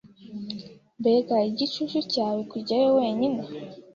Mbega igicucu cyawe kujyayo wenyine!